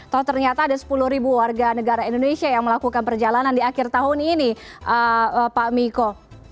tahu ternyata ada sepuluh warga negara indonesia yang melakukan perjalanan di akhir tahun ini pak miko